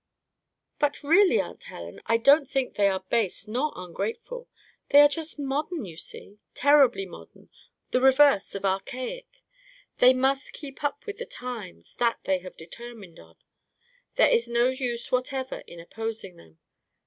"But really, Aunt Helen, I don't think they are base nor ungrateful. They are just modern, you see—terribly modern, the reverse of archaic. They must keep with the times; that they have determined on. There is no use whatever in opposing them.